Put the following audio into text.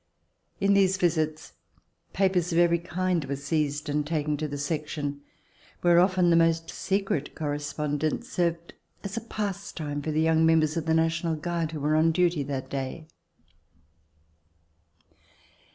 In these visits papers of every kind were seized and taken to the Section, where often the most secret correspondence served as a pastime for the young members of the National Guard who were on duty that day.